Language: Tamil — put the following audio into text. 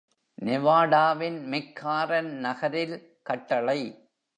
நெவாடாவின் மெக்காரன் நகரில் கட்டளை.